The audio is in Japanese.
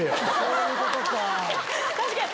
確かに。